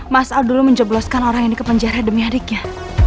mas aldo lo menjebloskan orang ini ke penjara demi adiknya